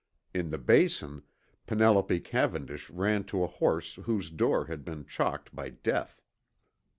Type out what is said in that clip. In the Basin, Penelope Cavendish ran to a house whose door had been chalked by Death.